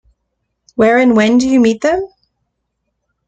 Where and when do you meet them?